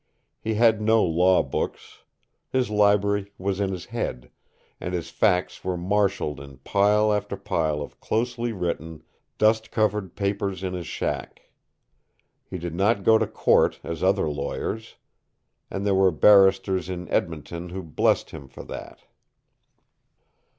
He had no law books. His library was in his head, and his facts were marshaled in pile after pile of closely written, dust covered papers in his shack. He did not go to court as other lawyers; and there were barristers in Edmonton who blessed him for that.